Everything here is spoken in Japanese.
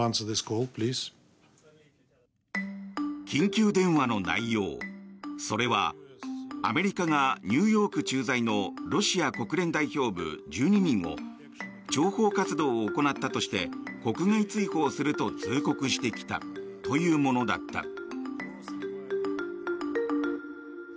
緊急電話の内容、それはアメリカがニューヨーク駐在のロシア国連代表部１２人を諜報活動を行ったとして国外追放すると通告してきたというものだった。